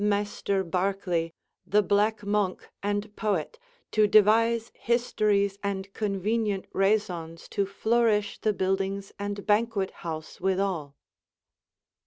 Maistre Barkleye, the Black Monke and Poete, to devise histoires and convenient raisons to florisshe the buildings and banquet house withal."